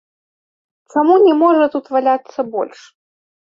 Чаму не можа тут валяцца больш?